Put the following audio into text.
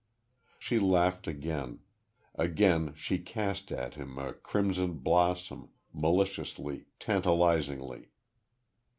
She laughed again; again she cast at him a crimson blossom, maliciously, tantalizingly.